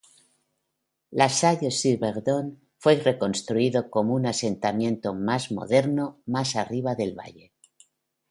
Las Salles-sur-Verdon fue reconstruido como un asentamiento más moderno más arriba del valle.